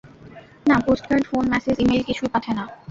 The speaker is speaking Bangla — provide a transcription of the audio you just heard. না, পোস্টকার্ড, ফোন, ম্যাসেজ, ইমেইল, কিছুই পাঠায় না।